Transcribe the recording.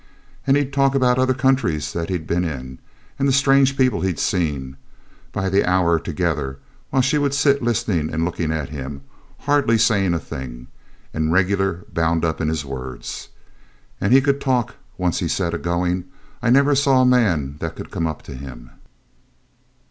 And he'd talk about other countries that he'd been in, and the strange people he'd seen, by the hour together, while she would sit listening and looking at him, hardly saying a thing, and regular bound up in his words. And he could talk once he was set agoing. I never saw a man that could come up to him.